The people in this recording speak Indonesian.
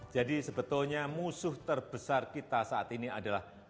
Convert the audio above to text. jadi sebetulnya musuh terbesar kita saat ini adalah virus corona